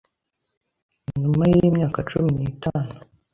Nyuma y’imyaka cumi nitanu